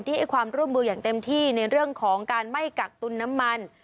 ให้ความร่วมมืออย่างเต็มที่ในเรื่องของการไม่กักตุลน้ำมัน